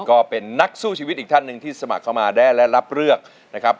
ก็เป็นนักสู้ชีวิตอีกท่านหนึ่งที่สมัครเข้ามาได้และรับเลือกนะครับ